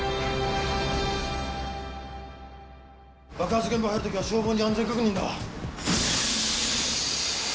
「爆発現場入るときは消防に安全確認だ」